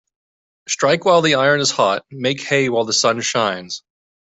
Strike while the iron is hot Make hay while the sun shines.